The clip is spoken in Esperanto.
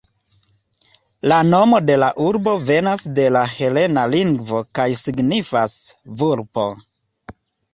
La nomo de la urbo venas de la helena lingvo kaj signifas "vulpo".